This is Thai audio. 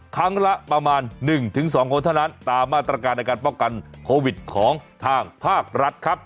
ครั้งละประมาณ๑๒คนเท่านั้นตามมาตรการในการป้องกันโควิดของทางภาครัฐครับ